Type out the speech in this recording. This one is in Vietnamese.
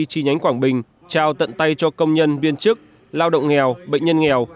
chi nhánh quảng bình trao tận tay cho công nhân viên chức lao động nghèo bệnh nhân nghèo